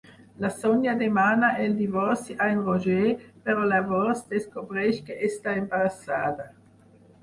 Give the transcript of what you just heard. La Sònia demana el divorci a en Roger, però llavors descobreix que està embarassada.